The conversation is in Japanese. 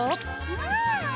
うん！